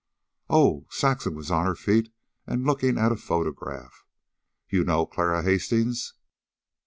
"Oh!" Saxon was on her feet and looking at a photograph. "You know Clara Hastings!"